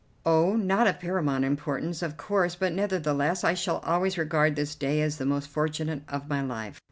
"Oh, not of paramount importance, of course, but nevertheless I shall always regard this day as the most fortunate of my life."